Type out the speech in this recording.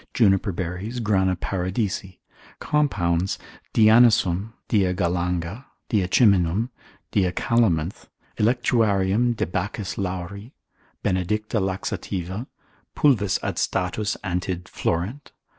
juniper berries, grana paradisi; compounds, dianisum, diagalanga, diaciminum, diacalaminth, electuarium de baccis lauri, benedicta laxativa, pulvis ad status. antid. florent.